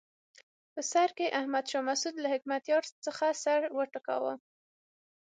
په سر کې احمد شاه مسعود له حکمتیار څخه سر وټکاوه.